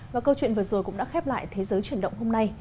và câu chuyện vừa rồi cũng đã khép lại thế giới chuyển động hôm nay